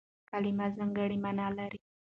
کلیمه ځانګړې مانا لري.